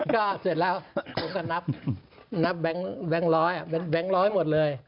ก็เสร็จแล้วผมก็นับแบงค์ร้อยแบงค์ร้อยหมดเลย